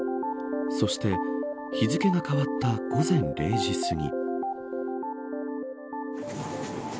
そして、日付が変わった午前０時すぎ。